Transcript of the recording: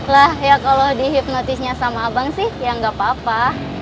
lah ya kalau dihipnotisnya sama abang sih ya nggak apa apa